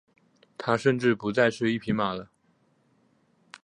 他甚至不再是一匹马了。